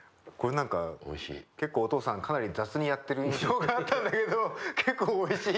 結構お父さんかなり雑にやってる印象があったんだけど結構おいしい！